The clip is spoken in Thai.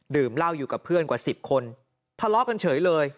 เหล้าอยู่กับเพื่อนกว่า๑๐คนทะเลาะกันเฉยเลย